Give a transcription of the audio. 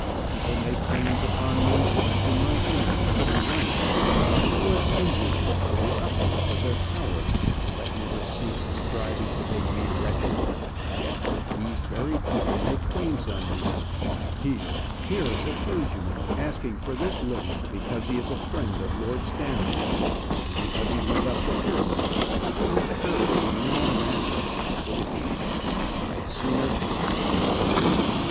People make claims upon me who have been my enemies through life, who have injured me to the utmost of their power, who have never ceased striving to make me wretched. Yes, these very people make claims on me. Here here is a clergyman asking for this living because he is a friend of Lord Stanmore because he went up the Pyramids with him, and encouraged him in all manner of stupidity. I'd sooner well, never mind.